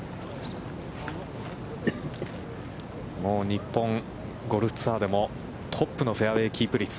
日本ゴルフツアーでもトップのフェアウェイキープ率。